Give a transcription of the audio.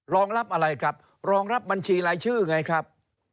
รองรับอะไรครับรองรับบัญชีรายชื่อไงครับ